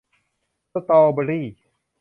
สตรอว์เบอร์รี่